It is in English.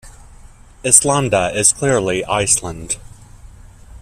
"Islanda" is clearly Iceland.